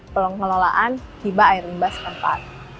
pengelolaan hibah air limbah setempat